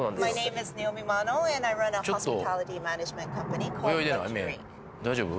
目大丈夫？